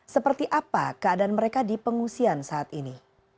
seperti apa keadaan mereka di pengungsian saat ini